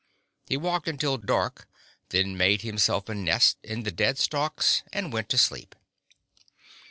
He walked until dark, then made himself a nest in the dead stalks, and went to sleep.